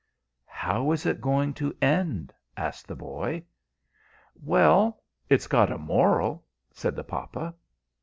"How is it going to end?" asked the boy. "Well, it's got a moral," said the papa.